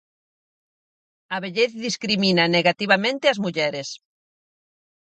A vellez discrimina negativamente as mulleres.